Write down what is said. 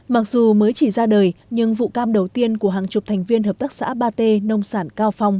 mặc dù mới chỉ ra đời nhưng vụ cam đầu tiên của hàng chục thành viên hợp tác xã ba t nông sản cao phong